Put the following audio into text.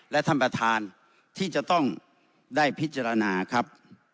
และท่านประธานที่จะต้องได้พิจารณาครับ